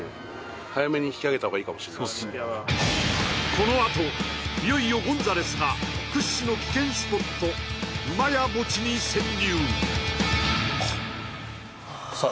このあといよいよゴンザレスが屈指の危険スポットウマヤ墓地に潜入さあ